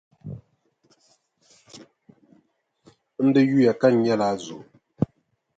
N di yuya ka n nyɛla o zo.